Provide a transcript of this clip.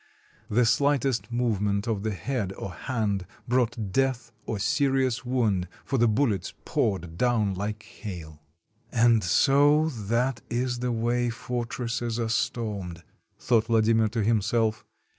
The slightest move ment of the head or hand brought death or serious wound, for the bullets poured down like hail. "And so that is the way fortresses are stormed," thought Vladimir to himself.